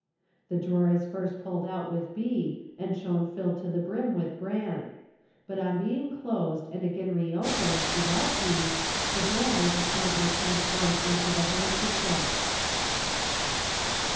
The drawer is first pulled out with b, and shown filled to the brim with bran ; but on being closed and again opened (without b), the bran is apparently transformed into the handkerchief.